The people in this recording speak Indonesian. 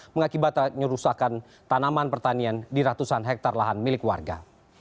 mengakibat ngerusakan tanaman pertanian di ratusan hektare lahan milik warga